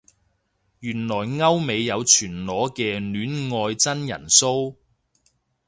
原來歐美有全裸嘅戀愛真人騷